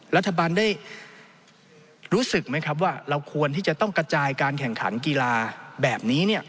รัฐบาลได้รู้สึกไหมครับว่าเราควรที่จะต้องกระจายการแข่งขันกีฬาแบบนี้